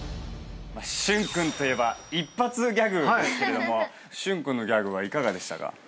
駿君といえば一発ギャグですけれども駿君のギャグはいかがでしたか？